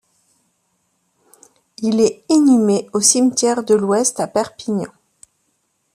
Il est inhumé au Cimetière de l'Ouest à Perpignan.